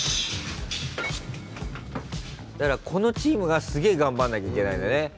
だからこのチームがすげえ頑張んなきゃいけないんだね。